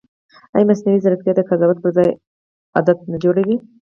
ایا مصنوعي ځیرکتیا د قضاوت پر ځای عادت نه جوړوي؟